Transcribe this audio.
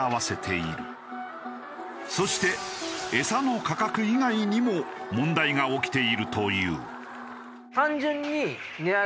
そして餌の価格以外にも問題が起きているという。